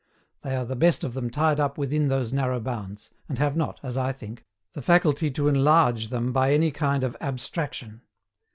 They are the best of them tied up within those narrow bounds, and have not (as I think) the faculty to enlarge them by any kind of ABSTRACTION."